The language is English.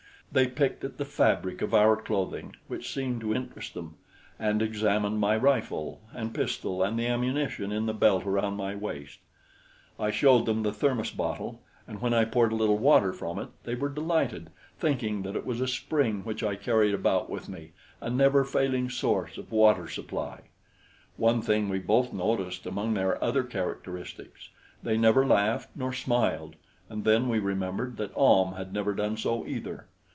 They picked at the fabric of our clothing, which seemed to interest them, and examined my rifle and pistol and the ammunition in the belt around my waist. I showed them the thermos bottle, and when I poured a little water from it, they were delighted, thinking that it was a spring which I carried about with me a never failing source of water supply. One thing we both noticed among their other characteristics: they never laughed nor smiled; and then we remembered that Ahm had never done so, either.